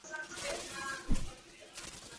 整个城市沿着楠河岸。